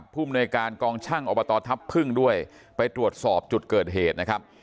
ผู้มนุยการกองชั่งอบตทัพพึ่งด้วยไปตรวจสอบจุดเกิดเหตุ